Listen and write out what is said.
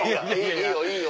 いいよいいよ